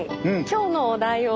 今日のお題を。